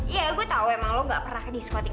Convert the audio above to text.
ya gue tahu emang lo gak pernah ke diskotik